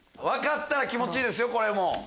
分かったら気持ちいいですよ。